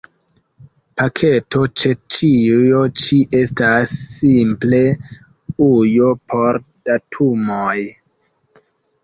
Paketo ĉe ĉio ĉi estas simple ujo por datumoj.